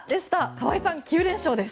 川合さん、９連勝です。